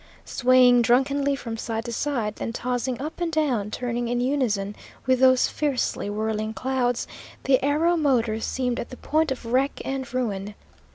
Swaying drunkenly from side to side, then tossing up and down, turning in unison with those fiercely whirling clouds, the aeromotor seemed at the point of wreck and ruin.